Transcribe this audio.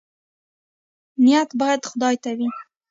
نیت باید خدای ته وي